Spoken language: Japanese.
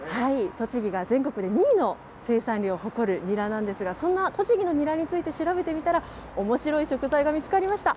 栃木が全国で２位の生産量を誇るにらなんですがそんな栃木のにらについて調べてみたら面白い食材が見つかりました。